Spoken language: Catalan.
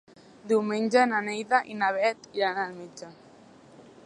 Diumenge na Neida i na Bet iran al metge.